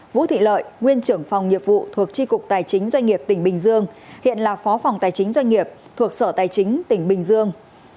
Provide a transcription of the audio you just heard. vũ thị lợi nguyên trưởng phòng nghiệp vụ thuộc tri cục tài chính doanh nghiệp tỉnh bình dương hiện là phó phòng tài chính doanh nghiệp thuộc sở tài chính tỉnh bình dương